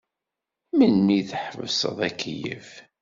Melmi teḥbseḍ akeyyef?